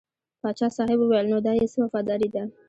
پاچا صاحب وویل نو دا یې څه وفاداري ده.